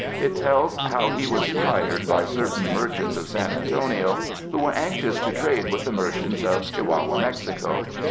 It tells how he was hired by certain merchants of San Antonio who were anxious to trade with the merchants of Chihuahua, Mexico.